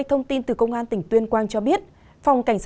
trong đó có năm chín trăm chín mươi một chín trăm hai mươi hai ca tử vong